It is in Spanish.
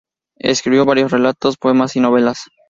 Escribió varios relatos, poemas y novelas.